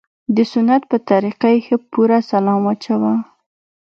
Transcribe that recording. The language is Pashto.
د سنت په طريقه يې ښه پوره سلام واچاوه.